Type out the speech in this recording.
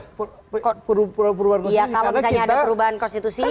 kalau misalnya ada perubahan konstitusi gerindra akan taat konstitusi juga